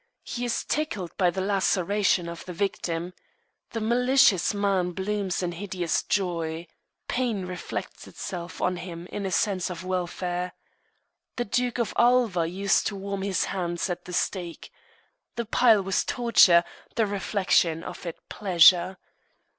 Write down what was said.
He is tickled by the laceration of the victim. The malicious man blooms in hideous joy. Pain reflects itself on him in a sense of welfare. The Duke of Alva used to warm his hands at the stake. The pile was torture, the reflection of it pleasure.